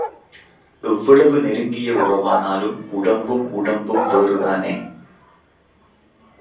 எவ்வளவு நெருங்கிய உறவானாலும் உடம்பும் உடம்பும் வேறுதானே?